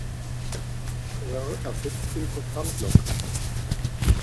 Er ersetzt den Programmblock.